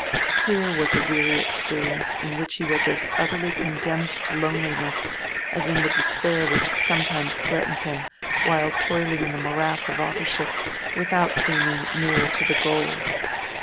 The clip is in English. Here was a weary experience in which he was as utterly condemned to loneliness as in the despair which sometimes threatened him while toiling in the morass of authorship without seeming nearer to the goal.